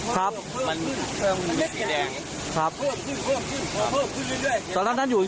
ครับครับครับครับครับครับครับครับครับ